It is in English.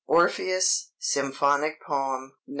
"ORPHEUS," SYMPHONIC POEM (No.